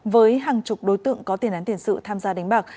với hàng chục đối tượng có tiền án tiền sự tham gia đánh bạc